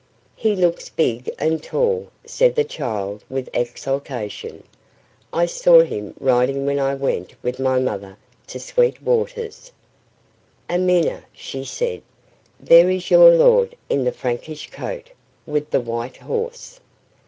"He looks big and tall," said the child with exultation. "I saw him riding when I went with my mother to the Sweet Waters. 'Amina,' she said, 'there is your lord, in the Frankish coat with the white horse.'"